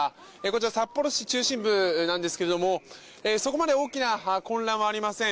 こちら札幌市中心ですがそこまで大きな混乱はありません。